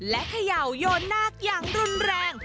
และเขย่าโยนนาคอย่างรุนแรง